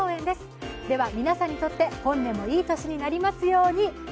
では皆さんにとって本年もいい年になりますように。